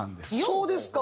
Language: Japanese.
そうですか。